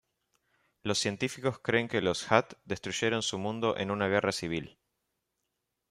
Los científicos creen que los Hutt destruyeron su mundo en una guerra civil.